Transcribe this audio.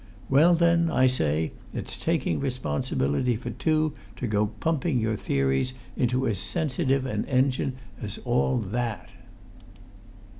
Well, then, I say, it's taking responsibility for two to go pumping your theories into as sensitive an engine as all that!"